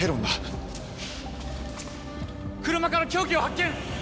・車から凶器を発見！